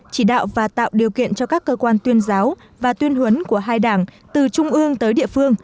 chỉ đạo và tạo điều kiện cho các cơ quan tuyên giáo và tuyên huấn của hai đảng từ trung ương tới địa phương